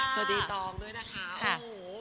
สวัสดีตอมด้วยนะคะ